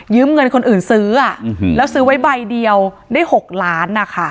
ยืมเงินคนอื่นซื้ออ่ะอือหือแล้วซื้อไว้ใบเดียวได้หกล้านอ่ะค่ะ